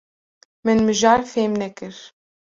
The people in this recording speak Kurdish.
Min mijar fêm nekir.